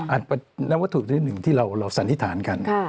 อาจจะมาเร็วนวตุขึ้นหนึ่งที่เราสัณภิษฐานกัน